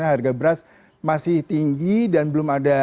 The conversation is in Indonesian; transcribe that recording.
harga beras masih tinggi dan belum ada